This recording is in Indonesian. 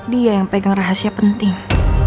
dia yang pegang rahasia penting